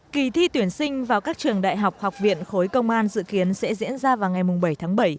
kỳ thi tuyển sinh vào các trường đại học học viện khối công an dự kiến sẽ diễn ra vào ngày bảy tháng bảy